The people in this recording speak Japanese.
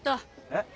えっ？